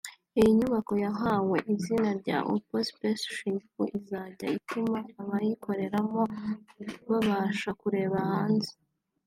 Iyi nyubako yahawe izina rya Apple Spaceship izajya ituma abayikoreramo babasha kureba hanze